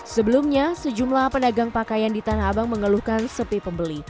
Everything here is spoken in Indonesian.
sebelumnya sejumlah pedagang pakaian di tanah abang mengeluhkan sepi pembeli